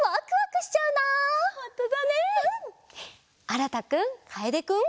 あらたくんかえでくん。